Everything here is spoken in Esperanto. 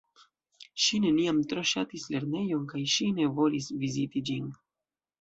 Ŝi neniam tro ŝatis lernejon kaj ŝi ne volis viziti ĝin.